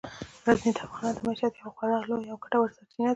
غزني د افغانانو د معیشت یوه خورا لویه او ګټوره سرچینه ده.